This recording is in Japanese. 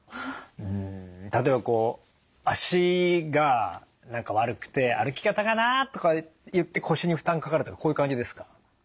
ん例えば足が悪くて歩き方がなとかいって腰に負担かかるとかこういう感じですか？